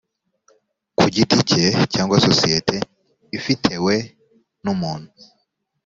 ku giti cye cyangwa sosiyete ifitewe n umuntu